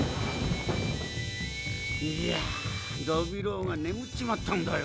いやぁノビローがねむっちまったんだよ。